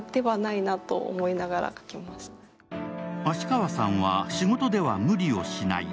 芦川さんは、仕事では無理をしない。